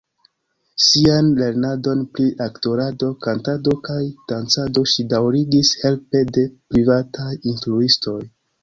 Sian lernadon pri aktorado, kantado kaj dancado ŝi daŭrigis helpe de privataj instruistoj.